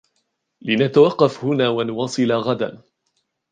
لنتوقف هنا و نواصل غدا.